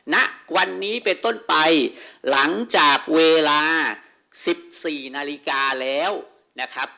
ณวันนี้เป็นต้นไปหลังจากเวลา๑๔นาฬิกาแล้วนะครับ